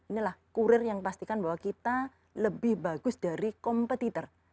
inilah kurir yang pastikan bahwa kita lebih bagus dari kompetitor